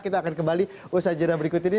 kita akan kembali usaha jadwal berikut ini